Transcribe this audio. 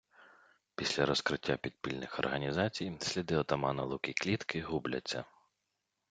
Після розкриття підпільних організацій сліди отамана Луки Клітки губляться.